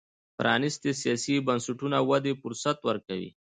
پرانیستي سیاسي بنسټونه ودې فرصت ورکوي.